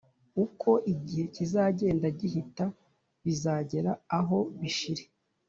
Uko igihe kizagenda gihita bizagera aho bishire